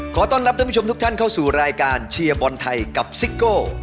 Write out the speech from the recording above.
ขอต้อนรับท่านผู้ชมทุกท่านเข้าสู่รายการเชียร์บอลไทยกับซิโก้